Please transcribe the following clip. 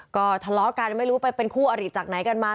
ก็ทะเลาะกันไม่รู้ไปเป็นคู่อริจากไหนกันมา